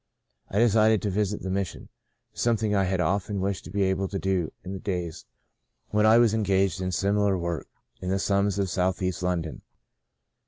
I de cided to visit the Mission — something I had often wished to be able to do in the days when I was engaged in similar work in the slums of Southeast London.